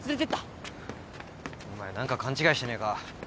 お前何か勘違いしてねえか？